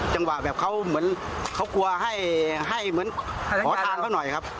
จังหวะแบบเขาเหมือนเขากลัวให้เหมือนขอทางเขาหน่อยครับ